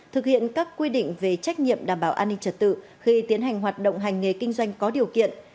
thực hiện các quy định về trách nhiệm đảm bảo an ninh trật tự khi tiến hành hoạt động hành nghề kinh doanh có điều kiện